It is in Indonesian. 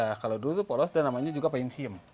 ya kalau dulu itu polos dan namanya juga payung siyum